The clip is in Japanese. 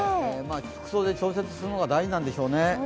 服装で調節するのが大事なんでしょうね。